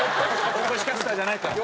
大越キャスターじゃないから。